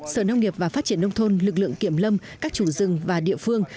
sở nông nghiệp và phát triển nông thôn lực lượng kiểm lâm các chủ rừng và địa phương